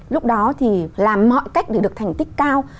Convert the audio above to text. lúc đó thì làm mọi cách để được thành tích cao